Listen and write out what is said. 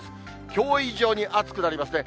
きょう以上に暑くなりますね。